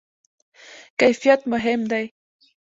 کیفیت مهم دی